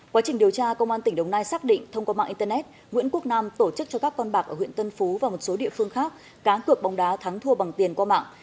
quá trình điều tra công an tỉnh đồng nai xác định thông qua mạng internet nguyễn quốc nam tổ chức cho các con bạc ở huyện tân phú và một số địa phương khác cá cược bóng đá thắng thua bằng tiền qua mạng